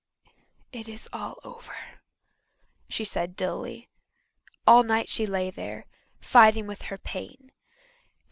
"It is all over," she said dully. All night she lay there, fighting with her pain.